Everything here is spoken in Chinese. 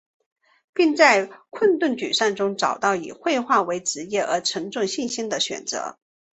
并在困顿沮丧中找到了以绘画为职业和重振信心的选择。